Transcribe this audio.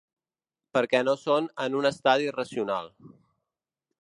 Perquè no són en un estadi racional.